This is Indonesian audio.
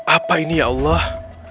apa ini ya allah